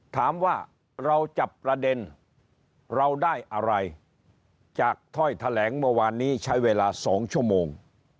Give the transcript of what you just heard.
ถามว่าเราจับประเด็นเราได้อะไรจากถ้อยแถลงเมื่อวานนี้ใช้เวลา๒ชั่วโมง